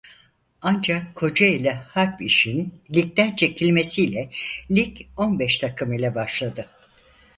Ancak Kocaeli Harb-İş'in ligden çekilmesiyle lig on beş takım ile başladı.